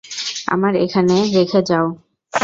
আমায় এখানে রেখে যাও।